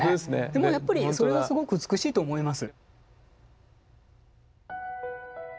でもやっぱりそれがすごく美しいと思います。